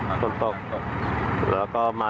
ไฟกระพริบใช่ไหม